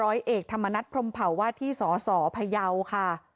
ร้อยเอกธรรมนัฐพรมเผาว่าที่สสพยาวค่ะ